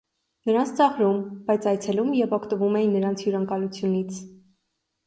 Նրանց ծաղրում, բայց այցելում և օգտվում էին նրանց հյուրընկալությունից։